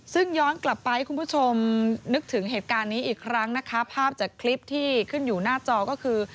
ซึ่งย้อนกลับไปให้คุณผู้ชมนึกถึงเหตุการณ์นี้อีกครั้งนะคะภาพจากคลิปที่ขึ้นอยู่หน้าจอก็คือ